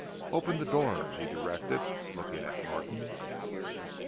"Open the door!" he directed, looking at Norton.